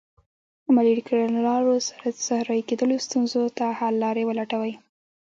عملي کړنلارو سره د صحرایې کیدلو ستونزو ته حل لارې ولټوي.